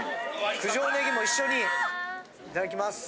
九条ねぎも一緒にいただきます。